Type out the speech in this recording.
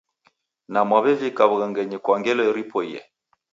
Na mwawevika wughangenyi kwa ngelo ripoiye?